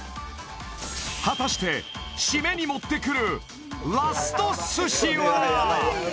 果たしてしめに持ってくるラスト寿司は！？